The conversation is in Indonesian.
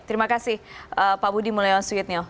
terima kasih pak budi mulyawasuyidnya